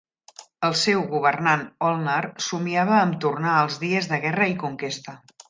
El seu governant Olnar somiava amb tornar als dies de guerra i conquesta.